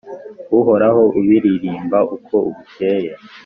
Uhora ubiririmba uko bukeye.